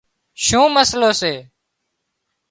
شُون مسئلو سي